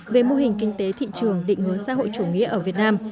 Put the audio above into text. về mô hình kinh tế thị trường định hướng xã hội chủ nghĩa ở việt nam